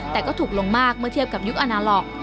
แต่ก็ถูกลงมากเมื่อเทียบกับยุคอนาล็อก